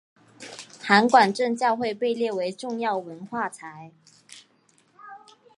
函馆正教会被列为重要文化财。